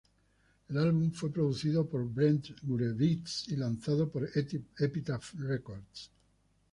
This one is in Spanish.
El álbum fue producido por Brett Gurewitz y lanzado por Epitaph Records.